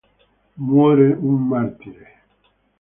Muore un martire.